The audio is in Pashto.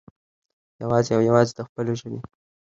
يوازې او يوازې د خپلو ژبې